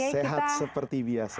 sehat seperti biasa